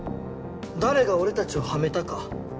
誰が俺たちをはめたか。